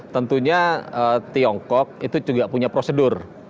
tentunya tiongkok itu juga punya prosedur